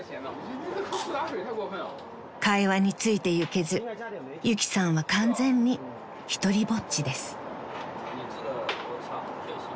［会話についてゆけずゆきさんは完全にひとりぼっちです］